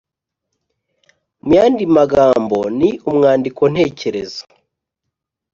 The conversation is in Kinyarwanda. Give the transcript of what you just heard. Mu yandi magambo ni umwandiko ntekerezo.